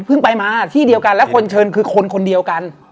ไปมาที่เดียวกันแล้วคนเชิญคือคนคนเดียวกัน